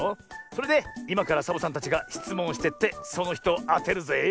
それでいまからサボさんたちがしつもんをしてってそのひとをあてるぜ。